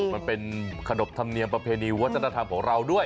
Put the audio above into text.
มันเป็นขนบธรรมเนียมประเพณีวัฒนธรรมของเราด้วย